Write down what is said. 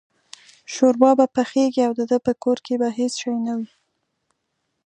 شوروا به پخېږي او دده په کور کې به هېڅ شی نه وي.